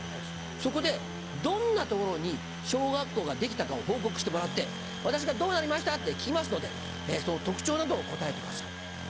そこでどんな所に小学校ができたかを報告してもらって私が「どうなりました？」って聞きますのでその特徴などを答えてください。